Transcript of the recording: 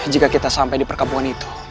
jika kita sampai di perkampungan itu